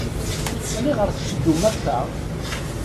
Aniɣer tetteddum akk-a?